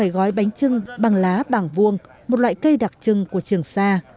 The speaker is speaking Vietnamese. đặc trưng bằng lá bảng vuông một loại cây đặc trưng của trường sa